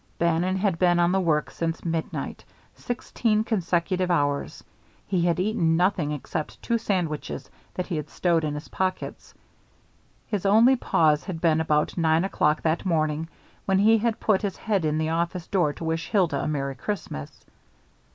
Bannon had been on the work since midnight sixteen consecutive hours. He had eaten nothing except two sandwiches that he had stowed in his pockets. His only pause had been about nine o'clock that morning when he had put his head in the office door to wish Hilda a Merry Christmas.